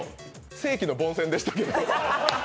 世紀の凡戦でしたけど。